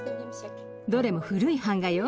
どれも古い版画よ。